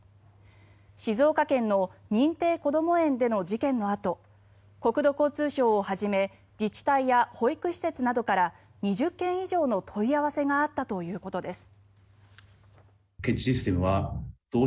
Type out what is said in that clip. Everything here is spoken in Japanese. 静岡県の認定こども園での事件のあと国土交通省をはじめ自治体や保育施設などから２０件以上の問い合わせがあったということです。